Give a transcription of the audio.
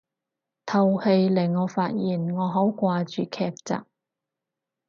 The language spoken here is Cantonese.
套戲令我發現我好掛住劇集